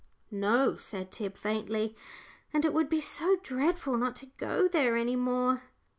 "No," said Tib, faintly; "and it would be so dreadful not to go there any more."